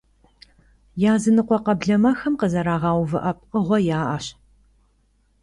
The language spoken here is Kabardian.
Языныкъуэ къэблэмэхэм къызэрагъэувыӀэ пкъыгъуэ яӀэщ.